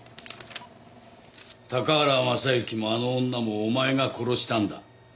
「高原雅之もあの女もおまえが殺したんだ」